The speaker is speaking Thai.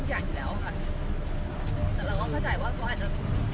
ไม่ใช่นี่คือบ้านของคนที่เคยดื่มอยู่หรือเปล่า